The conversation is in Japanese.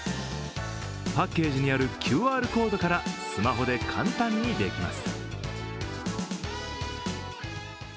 パッケージにあるＱＲコードからスマホで簡単にできます。